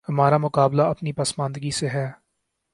ہمارا مقابلہ اپنی پسماندگی سے ہے۔